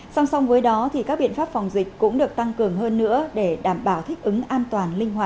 song song với đó các biện pháp phòng dịch cũng được tăng cường hơn nữa để đảm bảo thích ứng an toàn linh hoạt